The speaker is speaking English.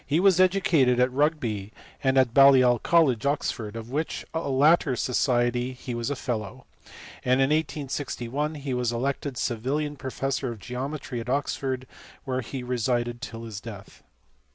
459 was educated at Rugby, and at Balliol College, Oxford, of which latter society he was a fellow; and in 1861 he was elected Savilian professor of geometry at Oxford, where he resided till his death.